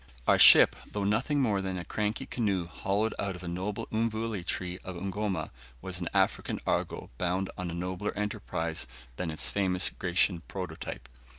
Our ship though nothing more than a cranky canoe hollowed out of a noble mvule tree of Ugoma was an African Argo bound on a nobler enterprise than its famous Grecian prototype.